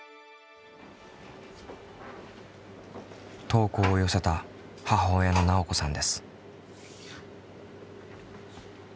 投稿を寄せた母親のなおこさんです。